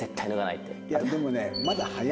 いやでもね